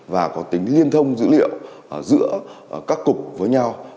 và có tính liên thông dữ liệu giữa các cục với nhau